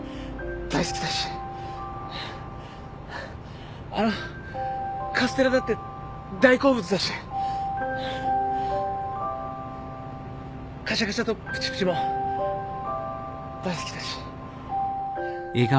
大好きだしあのカステラだって大好物だしかしゃかしゃとぷちぷちも大好きだし。